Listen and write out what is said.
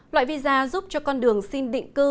loại visa giúp cho con đường xin định cư